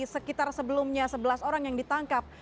sekitar sebelumnya sebelas orang yang ditangkap